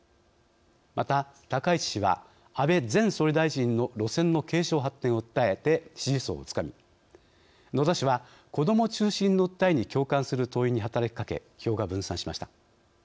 また、高市氏は安倍前総理大臣の路線の継承・発展を訴えて支持層をつかみ野田氏は子ども中心の訴えに共感する党員に働きかけ票が分散しました。